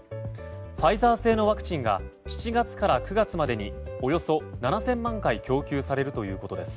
ファイザー製のワクチンが７月から９月までにおよそ７０００万回供給されるということです。